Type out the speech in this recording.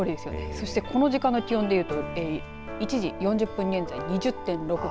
そしてこの時間の気温で言うと１時４０分現在２０．６度。